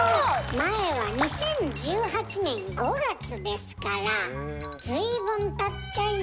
前は２０１８年５月ですから随分たっちゃいましたよ？